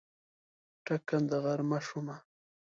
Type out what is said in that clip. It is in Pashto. ټکنده غرمه شومه